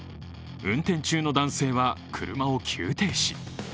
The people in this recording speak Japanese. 運転中の男性は車を急停止。